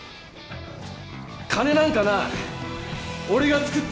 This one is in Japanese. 金なんかな俺が作ってやるよ。